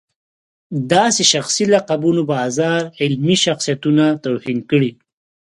داسې شخصي لقبونو بازار علمي شخصیتونو توهین کړی.